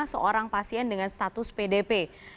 seorang pasien dengan status pdp